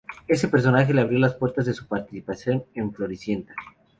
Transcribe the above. Ese personaje le abrió las puertas de su participación en "Floricienta".